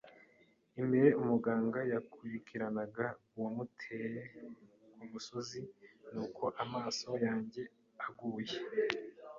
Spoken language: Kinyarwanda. imbere, umuganga yakurikiranaga uwamuteye kumusozi, nuko amaso yanjye aguye